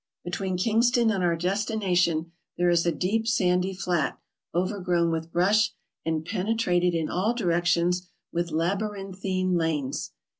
Between Kingston and our destination there is a deep, sandy flat, overgrown with brush and penetrated in all directions with labyrinthine lanes.